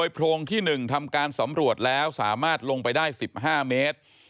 โพรงที่๑ทำการสำรวจแล้วสามารถลงไปได้๑๕เมตร